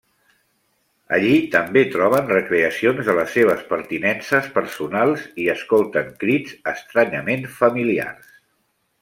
Allí també troben recreacions de les seves pertinences personals i escolten crits estranyament familiars.